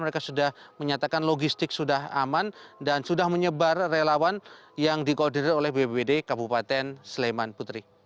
mereka sudah menyatakan logistik sudah aman dan sudah menyebar relawan yang dikoordinir oleh bpbd kabupaten sleman putri